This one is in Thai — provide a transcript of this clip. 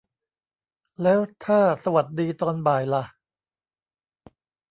แล้วถ้าสวัสดีตอนบ่ายล่ะ